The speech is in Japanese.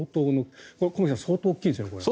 駒木さん、相当大きいですね。